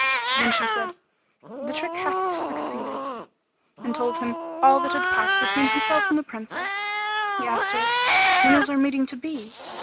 Then she said, "The trick hath succeeded," and told him all that had passed between herself and the Princess. He asked her, "When is our meeting to be?"